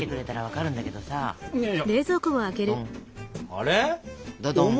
あれ？